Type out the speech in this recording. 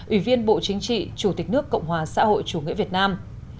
ủy viên bộ chính trị chủ tịch nước cộng hòa xã hội chủ nghĩa việt nam